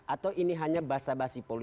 atau ini hanya bagian dari keadaan dpr